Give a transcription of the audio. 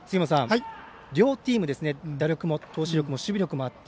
両チーム、打力も投手力も守備力もあって